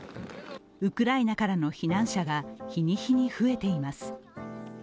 ウクライナからの避難者が日に日に増えています。